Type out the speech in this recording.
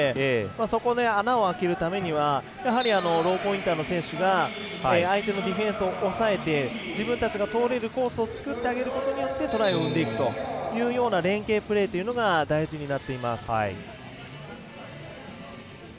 そこで穴を開けるためにはやはりローポインターの選手が相手のディフェンスを抑えて自分たちが通れるコースを作ってあげることによってトライを生んでいくというような連携プレーというのが大事になっています。